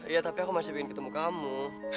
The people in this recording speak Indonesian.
iya tapi aku masih ingin ketemu kamu